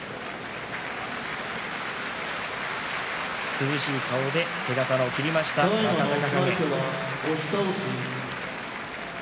涼しい顔で手刀を切りました若隆景。